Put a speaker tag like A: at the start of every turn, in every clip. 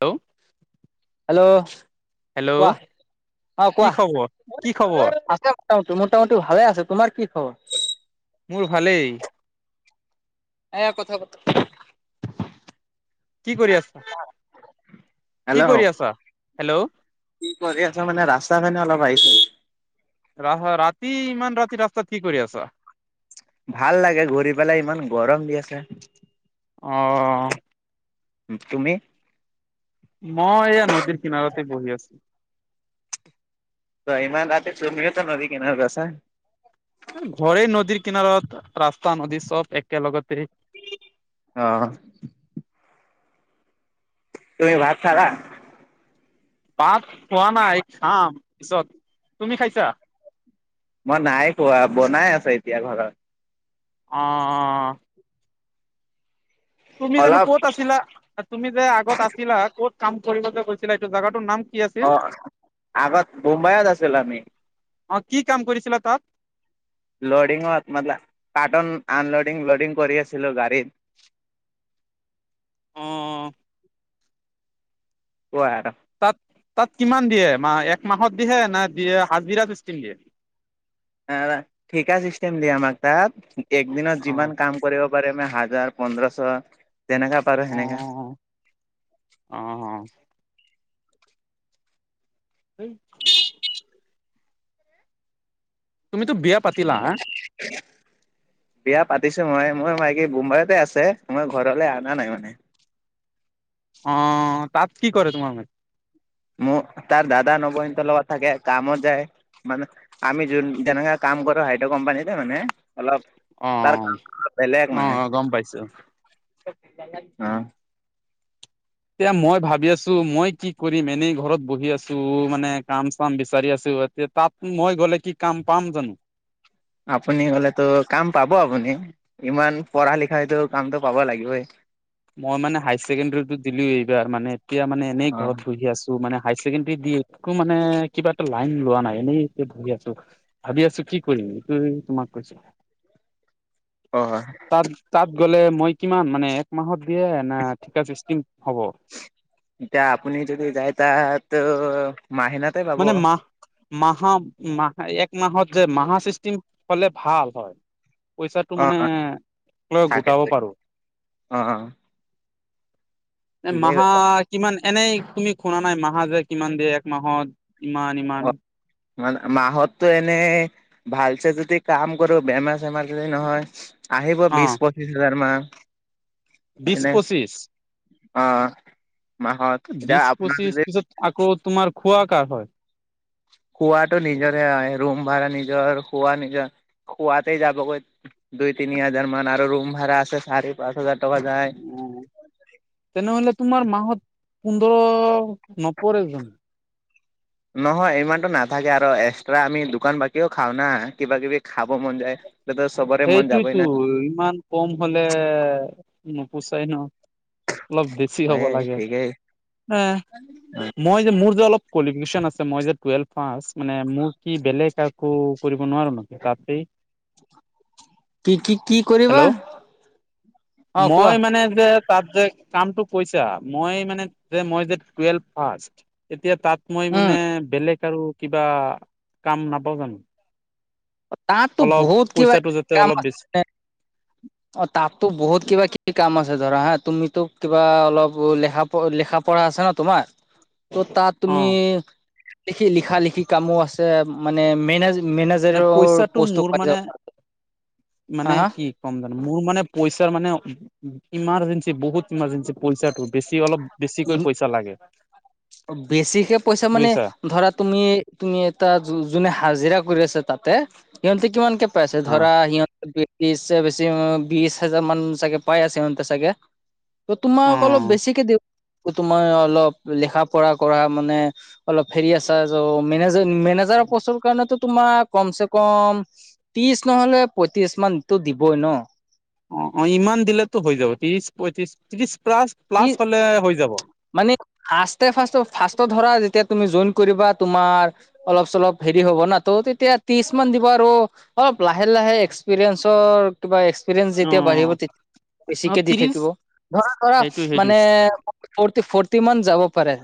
A: Hello
B: hello
A: hello
B: কোৱা? অ
A: কি
B: কোৱা?
A: খবৰ কি খবৰ
B: [unintelligible] অ মোটামুটি ভালে আছে। তোমাৰ কি খবৰ?
A: মোৰ ভালেই।
B: এ কথা বতা
A: কি কৰি আছ, কি
B: হেল্ল'
A: কৰি আছা? হেল্ল'।
B: কি কৰি আছা মানে ৰাস্তা ফালে অলপ আহিছো।
A: ৰা ৰাতি ইমান ৰাতি ৰাস্তাত কি কৰি আছা?
B: ভাল লাগে ঘূৰি পেলাই ইমান গৰম দি আছে।
A: অ।
B: তুমি?
A: মই এয়া নদীৰ কিনাৰতে বহি আছ-
B: ত ইমান ৰাতিত তুমি ত নদী কিনাৰত আছা।
A: ঘৰে নদীৰ কিনাৰত, ৰাস্তা নদী চব একেলগতেই।
B: অ। তুমি ভাত খালা?
A: পাত খোৱা নাই খাম পিছত। তুমি খাইছা?
B: মই নাই খোৱা বনাই আছে এতিয়া ঘৰত
A: অ তুমি জানো
B: অলপ
A: ক'ত আছিলা তুমি যে আগত আছিলা ক'ত কাম কৰিব যে গৈছিলা এইটো জোগাটোৰ নাম কি আছিল
B: অ আগত মুম্বাইত আছিল আমি
A: অ কি কাম কৰিছিলা তাত
B: ল'ডিঙত মতলা কাৰ্টুন আনল'ডিং ল'ডিং কৰি আছিলোঁ গাড়ীত
A: অ
B: কোৱা
A: তাত তাত কিমান দিয়ে মাহ এক মাহত দিয়ে নে দিয়ে হাজিৰা ছিষ্টেম দিয়ে।
B: ঠিকা চিষ্টেম দিয়ে আমাৰ তাত একদিনত
A: অ',
B: যিমান কাম কৰিব পাৰি আমে হাজাৰ পোন্ধৰশ তেনেকা পাৰো সেনেকা
A: অ', অ সেই তুমিতো বিয়া পাতিলা হা
B: [unintelligible] বিয়া পাতিছো মই মোৰ মাইকী বোম্বাইতে আছে মই ঘৰলৈ অনা নাই মানে
A: অ তাত কি কৰে তোমাৰ মে
B: মোৰ তাৰ দাদা নবৌ হতৰ লগত থাকে কামত যায় মানে আমি যোন যেনেকে কাম কৰো হাইড কোম্পানীতে মানে অলপ তাৰ
A: অ',
B: কাম বেলেগ মানে
A: অ', গম পাইছো।
B: অ
A: এতিয়া মই ভাবি আছো মই কি কৰিম এনেই ঘৰত বহি আছো মানে কাম চাম বিচাৰি আছো এতিয়া তাত মই গ'লে কি কাম পাম জানো?
B: আপুনি গলেতো কাম পাব আপুনি ইমান পঢ়া লিখাইতো কামটো পাব লাগিবই
A: মই মানে হাইাৰ ছেকেণ্ডাৰী টো এইবাৰ মানে এতিয়া মানে এনেই
B: অ
A: ঘৰত বহি আছো মানে হাই ছেকেণ্ডৰী দি একো মানে কিবা এটা লাইন লোৱা নাই এনেই এতিয়া বহি আছো। ভাবি আছো কি কৰিম এইটো তোমাক কৈছোঁ
B: অ হয়
A: তাত তাত গ'লে মই কিমান মানে এক মাহত দিয়ে না ঠিকা চিচটিম হ'ব
B: এতিয়া আপুনি যদি যায় তাত মাহেনত
A: মানে মাহ মাহা মাহ এক মাহত যে মাহা সিষ্টিম হলে ভাল হয় পইচাটো
B: অ
A: মানে লৈ গোটাব
B: তাকেই
A: পাৰো
B: অ অ',
A: এ
B: ঠিকেই কৈছা।
A: মাহত কিমান এনেই তুমি হোনা নাই মাহা যে কিমান দিয়ে একমাহত ইমান ইমান
B: মাহতো এনেই ভালছে যদি কাম কৰো বেমাৰ চেমাৰ যদি নহয় আহিব
A: অ
B: বিশ পঁচিশ হাজাৰ মান
A: বিশছ
B: এনে
A: পঁচিছ
B: অ মাহত এতিয়া
A: বিশ
B: আপোনাৰ
A: পঁচিশ
B: যদি
A: পিছত আকৌ তোমাৰ খোৱা কাৰ হয়
B: খুৱটো নিজৰে হয় ৰুম ভাড়া নিজৰ খোৱা নিজৰ খুৱাতে যাবগৈ দুই তিনি হাজাৰ মান আৰু ৰুম ভাড়া আছে চাৰি পাচ হাজাৰ টকা যায়
A: উম তেনেহলে তোমাৰ মাহত পোন্ধৰ নপৰেজোন
B: নহয় ইমানটো নাথাকে আৰু এক্সট্ৰা আমি দোকান বাকীও খাওঁ না কিবা কিবি খাব মন যায় লেটেছ
A: সেইটোয়েতো ইমান কম হলে নোপোচাই ন অলপ বে ছি হ'ব
B: হয়ে
A: লাগে,
B: ঠিকেই
A: এ মই যে মোৰ যে অলপ কোৱালিফিকেশ্যন আছে মই যে টুৱেলভ পাষ্ট মানে মোৰ কি বেলেগ আকৌ কৰিব নোৱাৰো নেকি তাতেই
B: কি কি কি কৰ
A: হেল্ল'
B: কোৱা
A: মই মানে যে তাত যে কামটো কৈছা মই মানে যে মই যে টুৱেলভ ফাৰ্ষ্ট এতিয়া তাত মই
B: উম,
A: মানে বেলেগ আৰু কিবা কাম নাপাও জানো
B: তাততো
A: অলপ
B: বহুত কিবা
A: পইচাটো যাতে
B: কাম
A: অলপ
B: আছে
A: বেছি
B: তাততো বহুত কিবা কিবি কাম আছে ধৰা হা তুমিতো কিবা অলপ লেখা ত লেখা পঢ়া আছে ন তোমাৰ
A: [unintelligible]
B: ত' তাত
A: অ
B: তুমি লিখি লিখা লিখি কামো আছে মানে মেনেজ
A: মানে
B: মেনেজাৰেও
A: পইচাটো
B: পষ্ট টো
A: মোৰ
B: পাই
A: মানে
B: যাব পাৰা হা
A: মানে
B: হা
A: কি কম জানো মোৰ মানে পইচাৰ মানে ইমাৰ্জেঞ্চি বহুত ইমাৰজেঞ্চি পইচাটো বেছি অলপ বেছিকৈ
B: ইম
A: পইচা লাগে
B: বেছিকে পইচা মানে
A: বুইছা
B: ধৰা তুমি তুমি এটা যো যোনে হাজিৰা কৰি আছে তাতে সিহঁতে কিমান কে পাইছে
A: অ
B: ধৰা সিহঁতে বিছচে বেছি বিশ হাজাৰ মান চাগে পাই আছে সিহঁতে চাগে ত তোমাক অলপ বেছিকে দিব তোমাৰ অলপ লিখা পঢ়া কৰা মানে অলপ ফেৰি আছা জৌ মেনেজাৰ মেনেজাৰৰ পষ্টৰ কাৰণে তৌ তোমাৰ কমচে কম ত্ৰিশ নহলেও পইত্ৰিশ মানতো দিবই ন
A: অ অ ইমান দিলেতো হৈ যাব ত্ৰিশ পঁয়ত্ৰিশ ত্ৰিশ প্লাছ
B: ই
A: প্লাছ হলে হৈ যাব
B: মানে ফাষ্টে ফাষ্ট ফাষ্টত ধৰা যেতিয়া তুমি জইন কৰিবা তোমাৰ অলপ চলপ হেৰি হ'ব ন তো তেতিয়া ত্ৰিশ মান দিব আৰু অলপ লাহে লাহে এক্সপিৰিয়েঞ্চৰ কিবা এক্সপিৰিয়েঞ্চ যেতিয়া বাঢ়িব তেতিয়া
A: অ
B: বেছিকে দি
A: ত্ৰিশ
B: থাকিব ধৰা ধৰা
A: সেইটো সেইটো
B: ফৰটি ফৰটি মান যাব পাৰে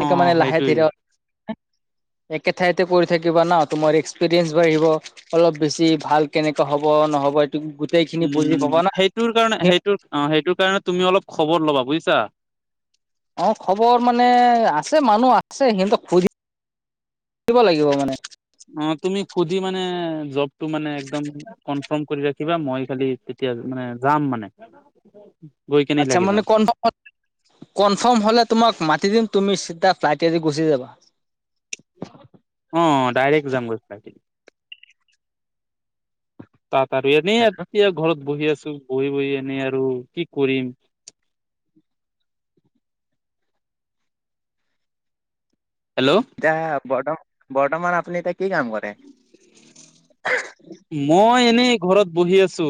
A: অ
B: মানে লাহে
A: সেইটোৱেই
B: ধীৰে
A: [inaudible]
B: একে ঠাইতে কৰি থাকিবা ন তোমাৰ এক্সপিৰিয়েঞ্চ বাঢ়িব অলপ বেছি ভাল কেনেকা হব নহ'ব এইটো গোটেই খিনি বুজি
A: উম
B: পাবা না
A: সেইটোৰ কাৰণে সেইটোৰ অ সেইটোৰ কাৰণে তুমি অলপ খবৰ ল'বা বুইছা
B: অ খবৰ মানে আছে মানুহ আছে সিহতক সুধি সুধিব লাগিব মানে
A: অ তুমি খোদি মানে জবটো মানে একদম কনফাৰ্ম কৰি ৰাখিবা মই খালি তেতিয়া মানে যাম মানে গৈ কেনে
B: আচ্ছা
A: লাগি যাম
B: মানে কনফাৰ্ম কনফাৰ্ম হলে তোমাক মাতি দিম তুমি চিধা ফ্লাইটেদি গুচি যাবা
A: অ ডাইৰেক্ট যাম গৈ ফ্লাইটেদি তাত আৰু এনেই এতিয়া ঘৰত বহি আছো বহি বহি এনেই আৰু কি কৰিম হেল্ল'
B: এতিয়া বৰ্ত বৰ্তমান আপুনি এতিয়া কি কাম কৰে
A: মই এনেই ঘৰত বহি আছো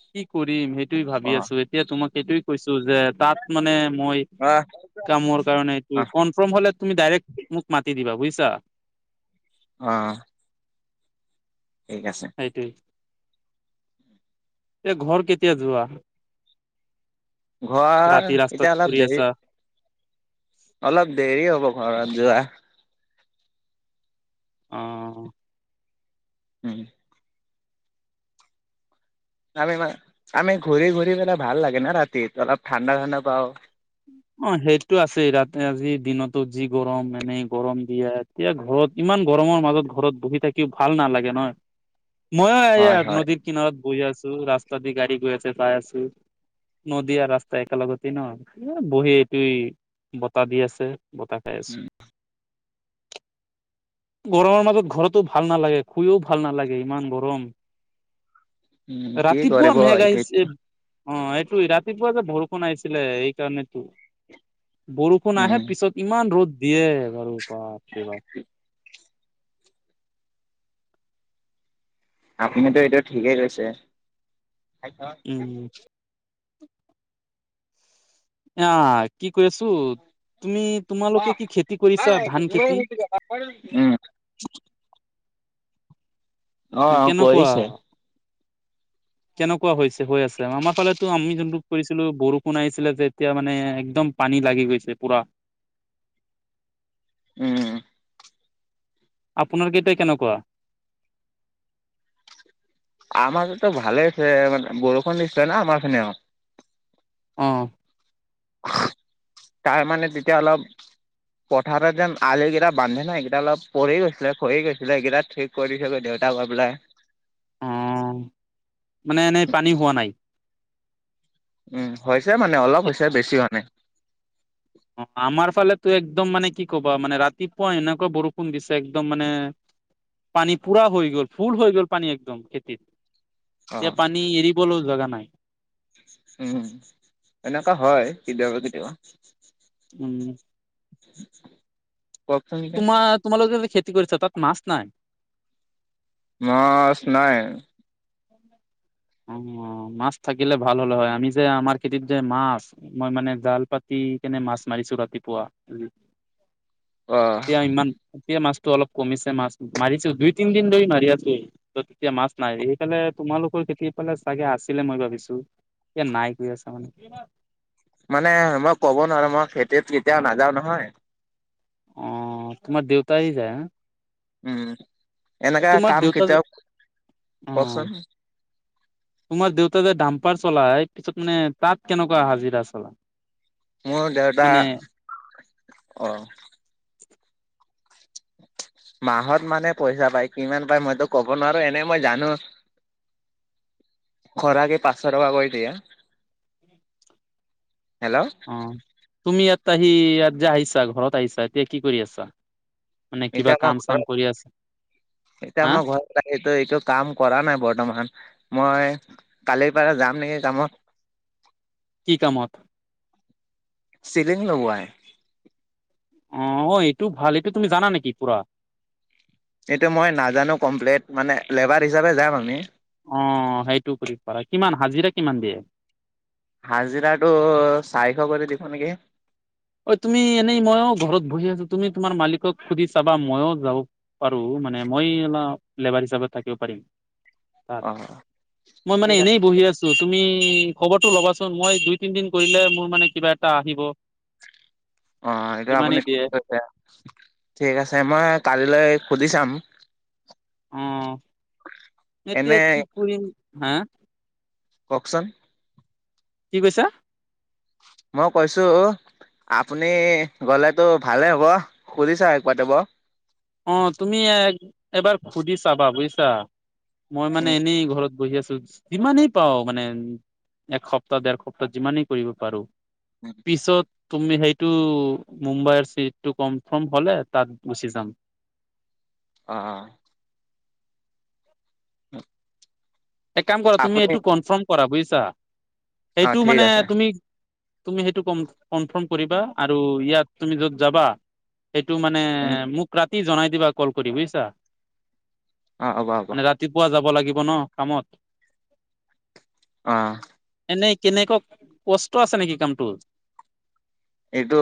A: কি কৰিম সেইটোৱে
B: অ
A: ভাবি আছো এতিয়া তোমাক এইটোৱে কৈছো যে তাত মানে মই
B: আহ
A: কামৰ কাৰণে
B: আহ
A: এইটোৱে কৰ্মফ ৰ্ফম হ'লে তুমি ডাইৰেক্ট মোক মাতি দিবা বুইছা
B: অ ঠিক আছে
A: সেইটোৱে এই ঘৰ কেতিয়া যোৱা
B: ঘৰ
A: ৰাতি ৰাস্তাত
B: এতিয়া
A: ফুৰি
B: অলপ দেৰি
A: আছা
B: অলপ দেৰি হ'ব ঘৰত যোৱা
A: অ
B: উম আমি মান আমি ঘূৰি ঘূৰি পেলাই ভাল লাগে না ৰাতি অলপ ঠাণ্ডা ঠাণ্ডা পাওঁ
A: অ সেইটো আছেই ৰাতি আজি দিনতো যি গৰম এনেই গৰম দিয়াত এতিয়া ঘৰত ইমান গৰমৰ মাজত ঘৰত বহি থাকিও ভাল নালাগে নহ।
B: হয়
A: ময়ো
B: হয়
A: নদীৰ কিনাৰত বহি আছো ৰাস্তা দি গাড়ী গৈ আছে চাই আছো। নদিয়াৰ ৰাস্তা একেলগতেই ন। এ বহি এইটো বতাহ দি আছে বতাহ খাই আছো। গৰমৰ মাজত ঘৰতো ভাল নালাগে, শুইও ভাল নালাগে ইমান গৰম।
B: উম কি কৰিব
A: ৰাতিপুৱা মেগ
B: এইটো
A: আহিছে। অঁ এইটো ৰাতিপুৱা যে বৰষুণ আহিছিলে এই কাৰণেতো। বৰষুণ আহে
B: উম
A: পিছত ইমান ৰ'দ দিয়ে বাপৰে বা-
B: আপুনিতো এইটো ঠিকে কৈছে।
A: উম আহ কি কৈছোঁ, তুমি তোমালোকে কি খেতি কৰিছা ধান খেতি-
B: উম অ
A: কেনেকুৱা?
B: কৰিছে
A: কেনেকুৱা হৈছে হৈ আছে আমাৰ ফালেতো আমি যোনটো কৰিছিলো বৰষুণ আহিছিলে যে এতিয়া মানে একদম- পানী লাগি গৈছে পুৰা।
B: উম
A: আপোনাৰ কেইটাই কেনেকুৱা?
B: আমাৰতো ভালে আছে মানে বৰষুণ দিছিলে না আমাৰ খিনিও-
A: অঁ
B: তাৰ মানে তেতিয়া অলপ- পথাৰত যেন আলু কেইটা বান্ধে নাই সকেইটা অলপ পৰি গৈছিলে খৰি গৈছিলে এইকেইটা ঠিক। কৰি থগৈ দেউতাক কৈ পেলাই
A: অঁ, মানে এনেই পানী হোৱা নাই।
B: উম, হৈছে মানে অলপ হৈছে বেছি হোৱা নাই।
A: অঁ আমাৰ ফালেত তো একদম মানে কি কবা মানে ৰাতিপুৱা এনেকুৱা বৰষুণ দিছে একদম মানে। পানী পুৰা হৈ গ'ল ফুল হৈ গ'ল পানী একদম খেতিত।
B: অ
A: এতিয়া পানী এৰিবলৈও জগা নাই।
B: উম এনেকুৱা হয় কেতিয়াবা কেতিয়াবা।
A: উম।
B: [unintelligible] কওকচোন এতিয়া
A: তোমাৰ তোমালোকে যে খেতি কৰিছা, তাত মাছ নাই।
B: মাছ নাই।
A: অঁ মাছ থাকিলে ভাল হ'লে হয় আমি যে আমাৰ খেতিত যে মাছ। মই মানে জাল পাতি কেনে মাছ মাৰিছো ৰাতিপুৱা।
B: অ
A: এতিয়া ইমান এতিয়া মাছটো অলপ কমিছে মাছ মাৰিছো দুই তিনদিন ধৰি মাৰি আছো। ত তেতিয়া মাছ নাই সেইফালে তোমালোকৰ তি- দি পালে চাগে আছিলে মই ভাবিছো এ নাই গৈ আছা মানে।
B: মানে মই ক'ব নোৱাৰো মই খেতিত কেতিয়াও নাযাও নহয়।
A: অ তোমাৰ দেউতাই যায়।
B: উম এনেকুৱা
A: তোমাৰ
B: কাম
A: দেউতা
B: কেতিয়াও
A: অ
B: কওকচোন।
A: তোমাৰ দেউতা যে দাম্পাৰ চলাই পিছত মানে তাত কেনেকুৱা হাজিৰা চলা।
B: মোৰ দেউতা
A: মানে
B: অ। মাহত মানে পইচা পায় কিমান পায় মইতো কব নোৱাৰো এনে মই জানো।
A: [inaudible]
B: খৰা কে পাঁচশ টকা কৰি দিয়ে। হেল্ল'।
A: অঁ, তুমি ইয়াত আহি ইয়াত যে আহিছা ঘৰত আহিছা এতিয়া কি কৰি আছা। মানে কিবা
B: এতিয়া মই
A: কাম চাম
B: ঘৰত
A: কৰি আছে,
B: এতিয়া
A: হা।
B: মই ঘৰত এইটো এইটো কাম কৰা নাই বৰ্তমান মই কালিৰ পৰা যাম নেকি কামত।
A: কি কামত।
B: চিলিং লগোৱাই।
A: অ এইটো ভাল এইটো তুমি জানা নেকি পুৰা?
B: এইটো মই নাজানো কমপ্লেট মানে লেবাৰ হিচাপে যাম আমি।
A: অ সেইটো কৰি পাৰা, কিমান হাজিৰা কিমান দিয়ে?
B: হাজিৰাটো চাৰিশ কৰি দিব নেকি।
A: ঐ তুমি এনেই মইয়ো ঘৰত বহি আছো তুমি তোমাৰ মালিকক সুধি চাবা ময়ো যাও। পাৰো মানে মই অলপ লেবাৰ হিচাপে থাকিব পাৰিম। তাত,
B: অ
A: মই মানে
B: ঠিক আছে
A: এনেই বহি আছ- তু তুমি খবৰটো ল'বাচোন মই দুই তিন দিন কৰিলে মোৰ মানে কিবা এটা আহিব।
B: অ এইটো আপুনি
A: যিমানেই দিয়ে
B: ঠিকে কৈছে ঠিক আছে মই কালিলৈ সুধি চাম।
A: অ
B: এনে
A: এতিয়া কি কৰিম হা।
B: কওকচোন?
A: কি কৈছা?
B: মই কৈছো। আপুনি গ'লেতো ভালেই হ'ব সুধিছা এক পা তব।
A: অ তুমি এবাৰ সুধি চাবা বুজিছা মই মানে এনেই ঘৰত। বহি আছো যিমানেই পাও মানে এসপ্তাহ দেৰ সপ্তাহ যিমানেই কৰিব পাৰো। পিছত। তুমি সেইটো মুম্বাইৰ চিটটো কনফ্ৰম হলে তাত গুচি যাম।
B: আ। [unintelligible]
A: এক কাম কৰা তুমি
B: আপুনি
A: এইটো কনফ্ৰম কৰা বুজিছা
B: অ
A: সেইটো
B: ঠিক
A: মানে
B: আছে
A: তুমি তুমি সেইটো কন কনফ্ৰম কৰিবা আৰু ইয়াত তুমি যত যাবা। সেইটো মানে
B: উম
A: মোক ৰাতি জনাই দিবা কল কৰি বুইছা।
B: অ হ'ব হ'ব।
A: তিপুৱা যাব লাগিব ন কামত।
B: অ।
A: এনেই কেনেকুৱা কষ্ট আছে নেকি কামটোৰ?
B: এইটো।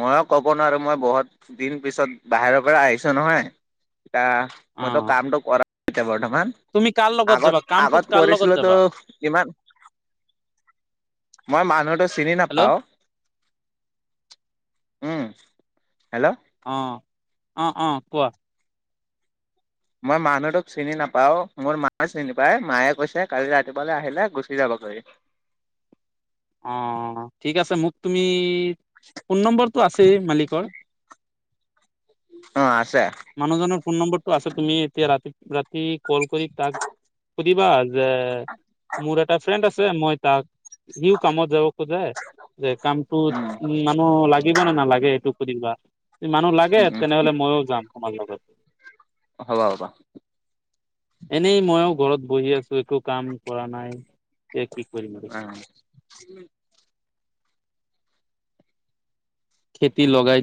B: ময়ে ক'ব নোৱাৰো মই বহুত দিন পিছত বাহিৰৰ পৰা আহিছোঁ নহয়। ইতা
A: অ
B: মইতো কামটো কৰা এতিয়া বৰ্তমান।
A: তুমি কাৰ লগত যাবা
B: আগত
A: কামটোত
B: আগত
A: কাৰ লগত
B: কৰিছিলো তো
A: যাবা
B: কিমান মই মানুহটো চিনি
A: হেল্ল'
B: নাপাওঁ। উম হেল্ল'।
A: অ অ অ কোৱা?
B: মই মানুহটোক চিনি নাপাও, মোৰ মাও চিনি নাপায়, মায়ে কৈছে কালি ৰাতিপুৱালে আহিলে গুচি যাব গৈ।
A: অ ঠিক আছে মোক তুমি ফোন নম্বৰটো আছেই মালিকৰ।
B: অ আছে।
A: মানুহজনৰ ফোন নম্বৰটো আছেই তুমি এতিয়া ৰাতি ৰাতি কল কৰি তাক দিবা যে মোৰ এটা ফ্ৰেণ্ড আছে মই তাক সিও কামত যাব ত যে কামটো
B: উম
A: উ মানুহ লাগিব নে নালাগে এইটো শুধিবা। মানুহ লাগে
B: উম উম
A: তেনেহলে মইয়ো যাম তোমাৰ লগত।
B: হ'ব হ'ব।
A: এনেই মইও ঘৰত বহি আছো একো কাম কৰা নাই। এ কি কৰিম আৰু
B: আহ [unintelligible]
A: খেতি লগাই দি-